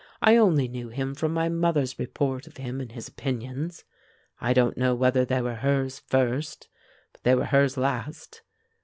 I only knew him from my mother's report of him and his opinions; I don't know whether they were hers first; but they were hers last.